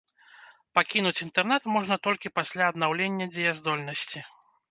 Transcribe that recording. Пакінуць інтэрнат можна толькі пасля аднаўлення дзеяздольнасці.